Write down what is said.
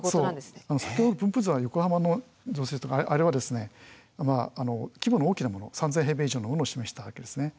そう先ほどの分布図は横浜の造成地とかあれは規模の大きなもの３，０００以上のものを示したわけですね。